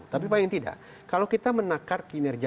tapi paling tidak kalau kita menakar kinerja